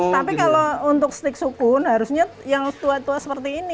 tapi kalau untuk stik sukun harusnya yang tua tua seperti ini